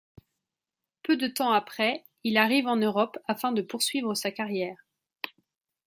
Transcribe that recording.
Peu de temps après, il arrive en Europe afin de poursuivre sa carrière.